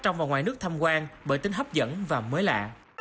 trong và ngoài nước tham quan bởi tính hấp dẫn và mới lạ